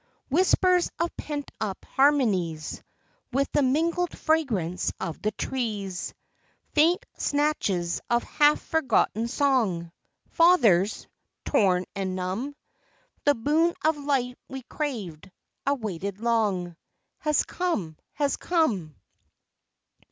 Whispers of pent up harmonies, With the mingled fragrance of the trees; Faint snatches of half forgotten song Fathers! torn and numb, The boon of light we craved, awaited long, Has come, has come!